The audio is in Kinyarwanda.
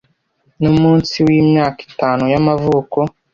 Numunsi wimyaka itanu y'amavuko.